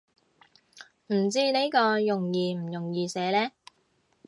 唔知呢個容易唔容易寫呢